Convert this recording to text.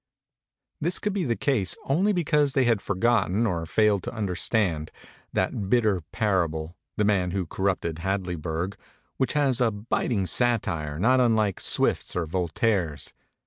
This could be the case only because they had forgotten or failed to under stand that bitter parable, tin 'Man who cor rupted HadleyburL',' v.hi< h has a biting satin* not unlike Swift's or Voltaire's.